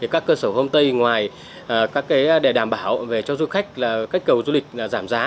các cơ sở hôm tây ngoài để đảm bảo về cho du khách là cách cầu du lịch giảm giá